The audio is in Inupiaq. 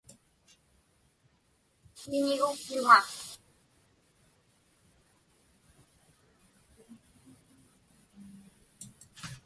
Siñiguktuŋa.